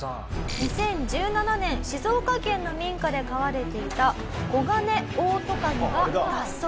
２０１７年静岡県の民家で飼われていたコガネオオトカゲが脱走。